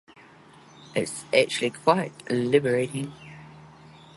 It's actually quite liberating.